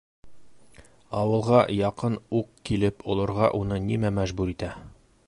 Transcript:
Ауылға яҡын уҡ килеп олорға уны нимә мәжбүр итә?